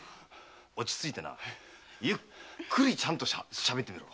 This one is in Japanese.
落ち着いてゆっくりちゃんとしゃべってみろ。